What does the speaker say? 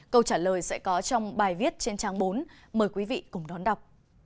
câu trả lời sẽ có trong bài viết trên trang bốn mời quý vị cùng đón đọc